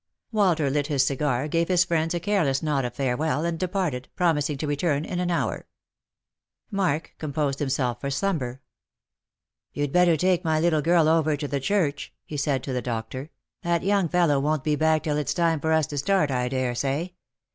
Walter lit his cigar, gave his friends a careless nod of farewell, and departed, promising to return in an hour. Mark composed himself for slumber. " You'd better take my little girl over the church," he said to the doctor ;" that young fellow won't be back till it's time for us to start, I daresay.